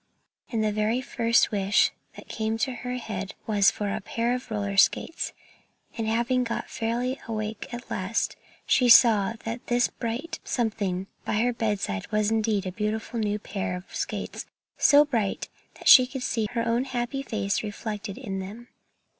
And the very first wish that came into her head was for a pair of roller skates; and having got fairly awake at last, she saw that this bright something by her bedside was indeed a beautiful new pair of skates, so bright that she could see her own happy face reflected in them!